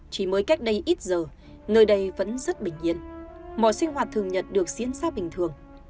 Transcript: chỉ mới cách đây ít giờ nơi đây vẫn rất bình yên mọi sinh hoạt thường nhật được diễn ra bình thường